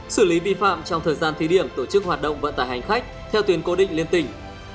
xử lý vi phạm trong thời gian thí điểm tổ chức hoạt động vận tải hành khách theo tuyến cố định liên tỉnh